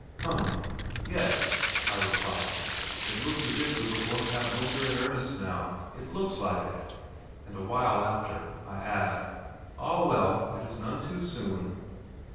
"Humph! Yes," I reply; "it looks as if we were going to have winter in earnest now; it looks like it," and a while after, I add: "Ah, well, it is none too soon."